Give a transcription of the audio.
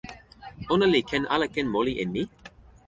ona li ken ala ken moli e mi?